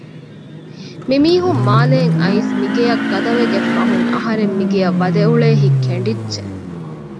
މިމީހުން މާލެއިން އައިސް މިގެޔަށް ގަދަވެގަތް ފަހުން އަހަރެން މިގެޔަށް ވަދެއުޅޭ ހިތް ކެނޑިއްޖެ